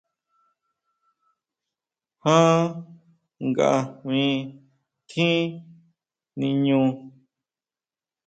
Já nkajmi tjín niñú?